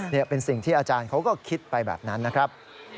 นี่เป็นสิ่งที่อาจารย์เขาก็คิดไปแบบนั้นนะครับ